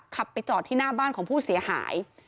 ไปจอดที่หน้าบ้านของผู้เสียหาย